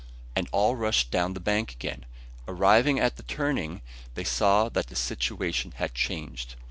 And all rushed down the bank again. Arrived at the turning, they saw that the situation had changed.